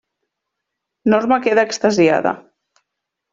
Norma queda extasiada.